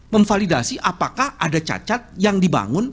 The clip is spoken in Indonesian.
memvalidasi apakah ada cacat yang dibangun